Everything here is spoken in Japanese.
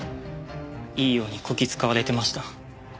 いいようにこき使われてました。